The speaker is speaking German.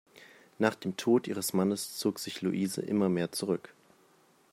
Nach dem Tod ihres Mannes zog sich Louise immer mehr zurück.